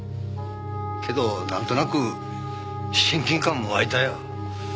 けどなんとなく親近感も湧いたよ。